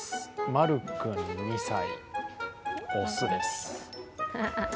まる君２歳、雄です。